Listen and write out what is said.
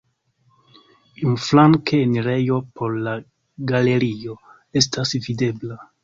Iom flanke enirejo por la galerio estas videbla.